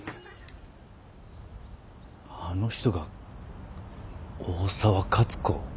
あの人が大沢勝子？